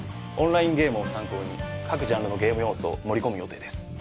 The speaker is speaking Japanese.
オンラインゲームを参考に各ジャンルのゲーム要素を盛り込む予定です。